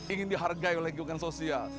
ingin dihargai oleh lingkungan sosial